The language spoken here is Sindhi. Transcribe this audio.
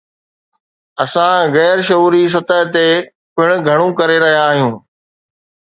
اسان غير شعوري سطح تي پڻ گهڻو ڪري رهيا آهيون.